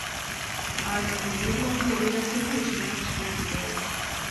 ئائىلىسىنى، بولۇپمۇ قىزىنى ئويلاپ تېخىمۇ ئىچىم ئاچچىق بولۇپ كېتىۋاتىدۇ.